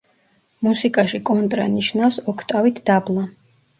მუსიკაში კონტრა ნიშნავს „ოქტავით დაბლა“.